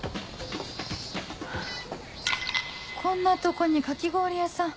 こんなとこにかき氷屋さん